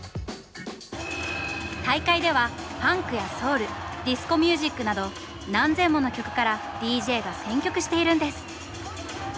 大会ではファンクやソウルディスコミュージックなど何千もの曲からＤＪが選曲しているんです。